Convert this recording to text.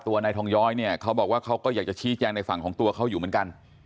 นายทองย้อยเนี่ยเขาบอกว่าเขาก็อยากจะชี้แจงในฝั่งของตัวเขาอยู่เหมือนกัน